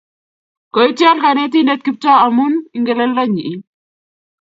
Koityol kanetindet Kiptoo amun Ingeleldo nyi